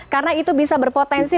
karena itu bisa berpotensi